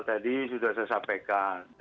tadi sudah saya sampaikan